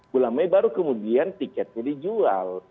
bulan mei baru kemudian tiket jadi jual